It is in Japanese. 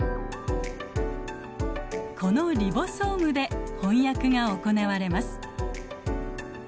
このリボソームで翻訳が行われます。